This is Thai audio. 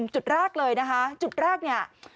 จุดรากเลยนะคะจุดรากนี่